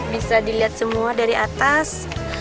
bisa dilihat semua dari atas